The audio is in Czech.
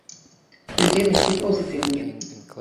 Vždy mysli pozitivně.